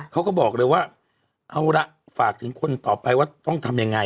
เขาก็บอกเลยว่าเอาละฝากถึงคนต่อไปว่าต้องทำยังไง